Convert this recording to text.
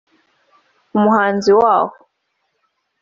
umuhanzi Wahu